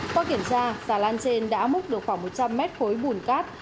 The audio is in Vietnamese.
qua kiểm tra sàn lan trên đã múc được khoảng một trăm linh m khối bùn cát